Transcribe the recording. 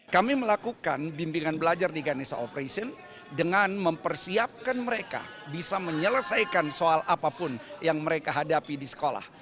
kami melakukan bimbingan belajar di ganesha operation dengan mempersiapkan mereka bisa menyelesaikan soal apapun yang mereka hadapi di sekolah